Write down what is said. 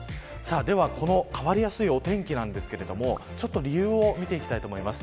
では、この変わりやすいお天気なんですが理由を見ていきたいと思います。